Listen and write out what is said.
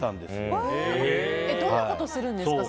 どんなことするんですか？